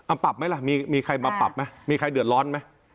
เอาปรับไหมล่ะมีใครมาปรับไหมมีใครเดือดร้อนไหม